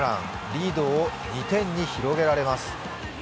リードを２点に広げられます。